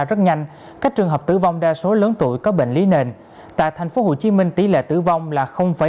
rất nhanh các trường hợp tử vong đa số lớn tuổi có bệnh lý nền tại tp hcm tỷ lệ tử vong là ba mươi